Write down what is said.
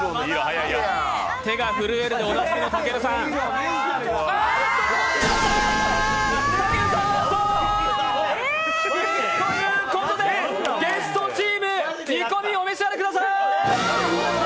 手が震えるでおなじみのたけるさん。ということでゲストチーム、煮込みをお召し上がりください。